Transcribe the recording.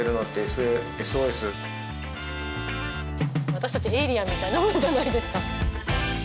私たちエイリアンみたいなもんじゃないですか。